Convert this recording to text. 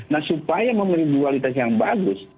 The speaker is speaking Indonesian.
nah supaya memberi kualitas yang bagus